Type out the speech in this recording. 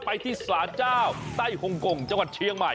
ไปที่ศาลเจ้าไต้หงกงจังหวัดเชียงใหม่